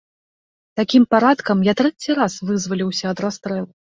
Такім парадкам я трэці раз вызваліўся ад расстрэлу.